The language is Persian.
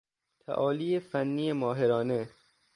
تعالی فنی ماهرانه